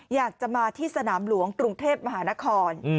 อยากจะมาที่สนามหลวงกรุงเทพมหานคร